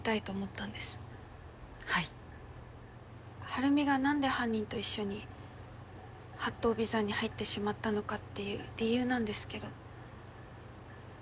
晴美が何で犯人と一緒に八頭尾山に入ってしまったのかっていう理由なんですけど。